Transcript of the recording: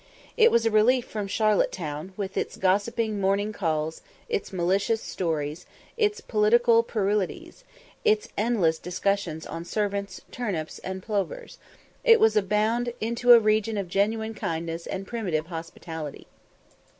It was a relief from Charlotte Town, with its gossiping morning calls, its malicious stories, its political puerilities, its endless discussions on servants, turnips, and plovers; it was a bound into a region of genuine kindness and primitive hospitality.